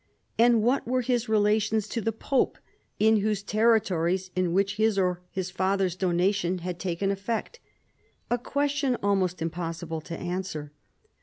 And what were his relations to the pope, in those territories in which his or his father's donation had taken effect? A question almost impossible to answer.